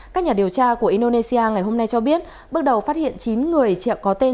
các nhà điều tra của indonesia ngày hôm nay cho biết bước đầu phát hiện chín người có tên